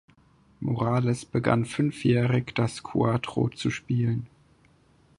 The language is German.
Morales begann fünfjährig das Cuatro zu spielen.